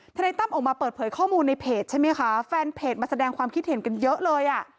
นายตั้มออกมาเปิดเผยข้อมูลในเพจใช่ไหมคะแฟนเพจมาแสดงความคิดเห็นกันเยอะเลยอ่ะ